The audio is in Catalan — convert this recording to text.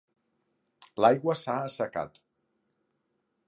L'aigua s'ha assecat.